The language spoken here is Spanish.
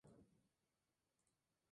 Con la actuación especial de Laura Flores.